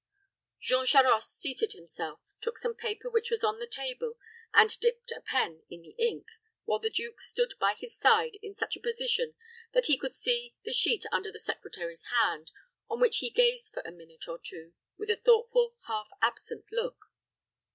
Jean Charost seated himself, took some paper which was upon the table, and dipped a pen in the ink, while the duke stood by his side in such a position that he could see the sheet under his secretary's hand, on which he gazed for a minute or two with a thoughtful, half absent look.